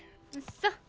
そう。